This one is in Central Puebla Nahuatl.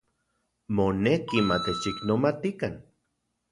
Moneki matechiknomatikan.